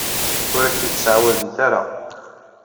Ur ak-t-id-ttɛawadent ara.